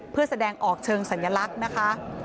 เพื่อแสดงออกเชิงสัญลักษณ์นะคะ